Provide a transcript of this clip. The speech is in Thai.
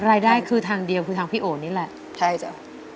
รายได้คือทางเดียวคือทางพี่โอนี่แหละใช่จ้ะ